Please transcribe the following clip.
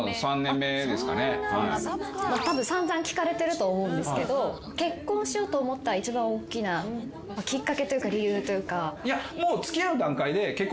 たぶん散々聞かれてると思うんですけど結婚しようと思った一番大きなきっかけというか理由というか。